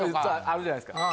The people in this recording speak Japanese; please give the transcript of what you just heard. あるじゃないすか。